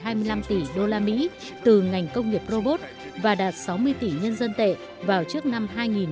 tương đương một tám đến hai hai mươi năm tỷ đô la mỹ từ ngành công nghiệp robot và đạt sáu mươi tỷ nhân dân tệ vào trước năm hai nghìn hai mươi năm